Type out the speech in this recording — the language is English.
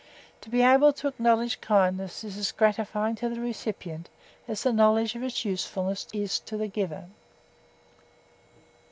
To be able to acknowledge kindness is as gratifying to the recipient as the knowledge of its usefulness is to the giver.